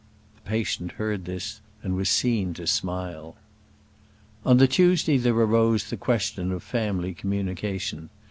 The patient heard this and was seen to smile. On the Tuesday there arose the question of family communication.